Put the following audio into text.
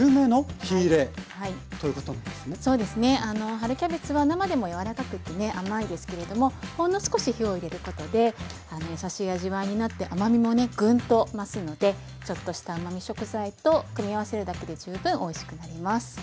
春キャベツは生でも柔らかくてね甘いですけれどもほんの少し火を入れることで優しい味わいになって甘みもねぐんと増すのでちょっとしたうまみ食材と組み合わせるだけで十分おいしくなります。